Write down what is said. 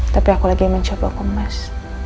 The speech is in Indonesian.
tapi aku lagi mencoba kemas